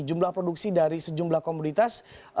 jumlah produksi dari sejumlah komoditas